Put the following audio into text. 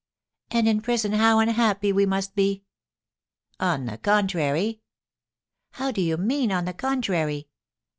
"And in prison how unhappy we must be." "On the contrary " "How do you mean on the contrary?"